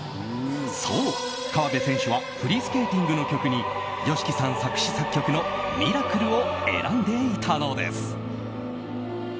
そう、河辺選手はフリースケーティングの曲にＹＯＳＨＩＫＩさん作詞・作曲の「Ｍｉｒａｃｌｅ」を選んでいたのです。